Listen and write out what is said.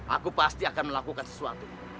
aku pasti akan melakukan sesuatu